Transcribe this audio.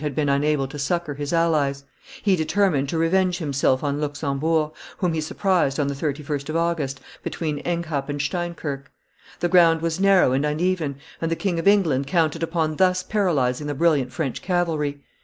had been unable to succor his allies; he determined to revenge himself on Luxembourg, whom he surprised on the 31st of August, between Enghaep and Steinkirk; the ground was narrow and uneven, and the King of England counted upon thus paralyzing the brilliant French cavalry.